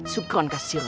syukron kasih rony